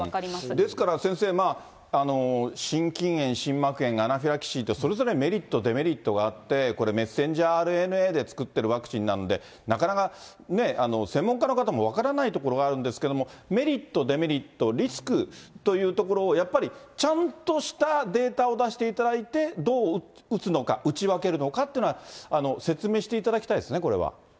ですから先生、心筋炎、心膜炎、アナフィラキシーって、それぞれメリット、デメリットがあって、これ、ｍＲＮＡで作ってるワクチンなんで、なかなか専門家の方も分からないところがあるんですけれども、メリット、デメリット、リスクというところをやっぱり、ちゃんとしたデータを出していただいて、どう打つのか、打ち分けるのかというっていうのは説明していただきたいですね、これは。